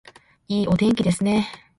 いいお天気ですね